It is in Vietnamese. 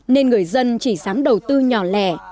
nên người dân chỉ sáng đầu tư nhỏ lẻ